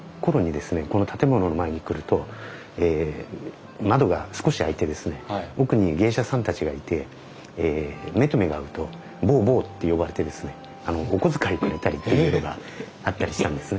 この建物の前に来ると窓が少し開いて奥に芸者さんたちがいて目と目が合うと坊坊って呼ばれてですねお小遣いくれたりっていうことがあったりしたんです。